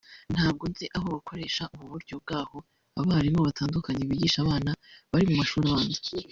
ntabwo nzi aho bakoresha ubu buryo bw’aho abarimu batandukanye bigisha abana bari mu mashuri abanza